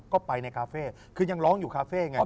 ก็ไปในคาเฟ่คือยังร้องอยู่คาเฟ่ไง